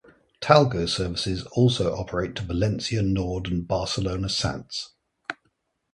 Talgo services also operate to Valencia Nord and Barcelona Sants.